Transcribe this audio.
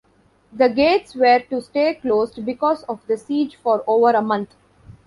The gates were to stay closed because of the siege for over a month.